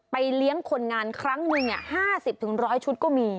เลี้ยงคนงานครั้งหนึ่ง๕๐๑๐๐ชุดก็มี